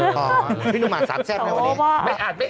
พี่นุ่มอัดสามแซ่ปแล้วครับวันนี้